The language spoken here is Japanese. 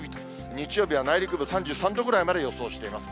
日曜日は内陸部３３度ぐらいまで予想しています。